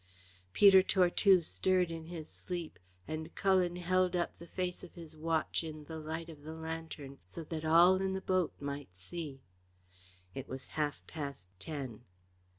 Peter Tortue stirred in his sleep, and Cullen held up the face of his watch in the light of the lantern so that all in the boat might see. It was half past ten.